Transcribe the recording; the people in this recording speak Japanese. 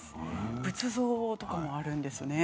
仏像とかもあるんですね。